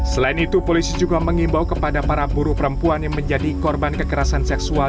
selain itu polisi juga mengimbau kepada para buruh perempuan yang menjadi korban kekerasan seksual